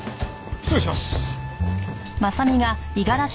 失礼します。